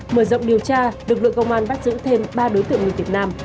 mở rộng điều tra lực lượng công an bắt giữ thêm ba đối tượng người việt nam